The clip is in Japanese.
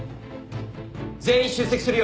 全員出席するように。